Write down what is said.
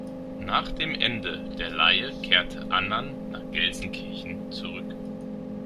Nach dem Ende der Leihe kehrte Annan nach Gelsenkirchen zurück.